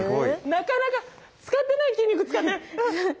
なかなか使ってない筋肉使ってる。